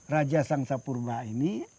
raja sang sapurma ini